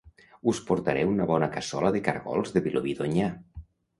Us portaré una bona cassola de cargols de Vilobí d'Onyar!